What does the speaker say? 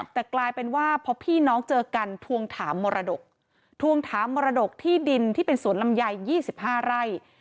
แต่กลายเป็นว่าพอพี่น้องเจอกันทวงถามมรดกทวงถามมรดกที่ดินที่เป็นสวนลำไย๒๕ไร่